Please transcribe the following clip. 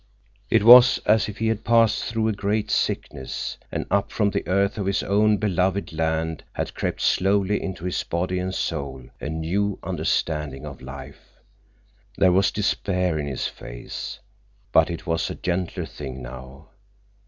It was as if he had passed through a great sickness, and up from the earth of his own beloved land had crept slowly into his body and soul a new understanding of life. There was despair in his face, but it was a gentler thing now.